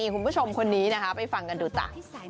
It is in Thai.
คุณผู้ชมคนนี้นะคะไปฟังกันดูจ้ะ